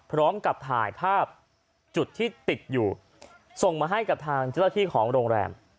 พร้อมกับถ่ายภาพจุดที่ติดอยู่ส่งมาให้กับทางเจ้าหน้าที่ของโรงแรม